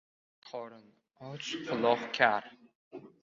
• Qorin och — quloq kar.